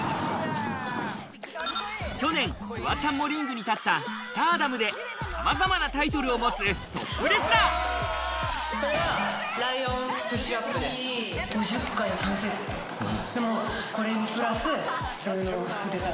去年フワちゃんもリングに立ったスターダムでさまざまなタイトルを持つトップレスラーこれは。